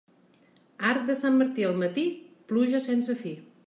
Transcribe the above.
Arc de Sant Martí al matí, pluja sense fi.